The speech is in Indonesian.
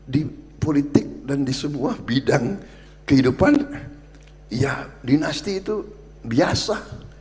di politik dan di sebuah bidang kehidupan ya dinasti itu biasa